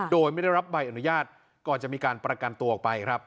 โดยไม่ได้รับใบอนุญาตก่อนจะมีการประกันตัวออกไปครับ